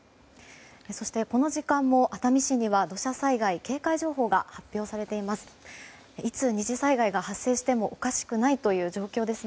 そして、この時間も熱海市には土砂災害警戒情報が発表されています。